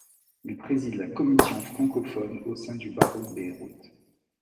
Il préside la Commission francophone au sein du Barreau de Beyrouth.